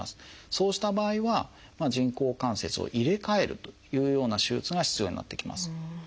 そうした場合は人工関節を入れ替えるというような手術が必要になってきます。